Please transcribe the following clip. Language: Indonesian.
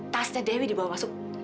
tasnya dewi dibawa masuk